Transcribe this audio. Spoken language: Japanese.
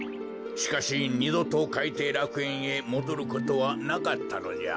しかしにどとかいていらくえんへもどることはなかったのじゃ。